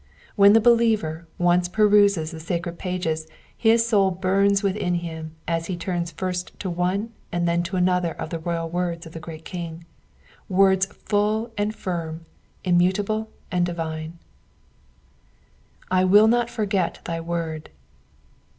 When the believer once peruses the sacred pages his soul burns within him as he turns first to one and then to another of the royal words of the great Eling, words full and firm, immutable and divine. / will not forget thy word.''